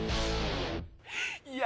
いや